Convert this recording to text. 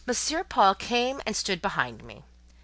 Paul came and stood behind me.